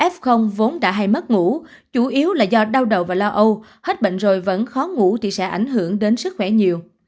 f vốn đã hay mất ngủ chủ yếu là do đau đầu và lo âu hết bệnh rồi vẫn khó ngủ thì sẽ ảnh hưởng đến sức khỏe nhiều